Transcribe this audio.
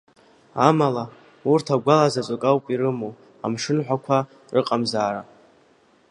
Амала, урҭ агәала заҵәык ауп ирымоу амшынҳәақәа рыҟамзаара.